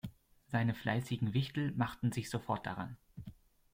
Seine fleißigen Wichtel machten sich sofort daran.